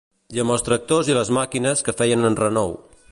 I amb els tractors i les màquines que feien enrenou